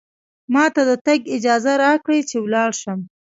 ما ته د تګ اجازه راکړئ، چې ولاړ شم.